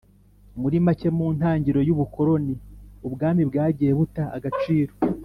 Muri make, mu ntagiriro y'ubukoloni, ubwami bwagiye buta agaciro,